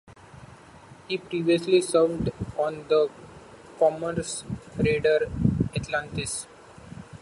He previously served on the commerce raider "Atlantis".